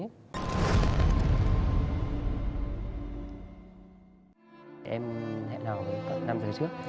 em hẹn hò năm giờ trước